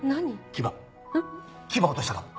牙牙落としたかも！